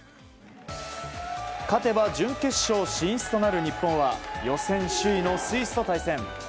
勝てば準決勝進出となる日本は予選首位のスイスと対戦。